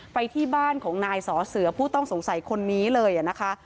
ไปที่บ้านของนายสอเสือผู้ต้องสงสัยคนนี้เลยนะคะ